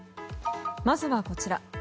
まずはこちら。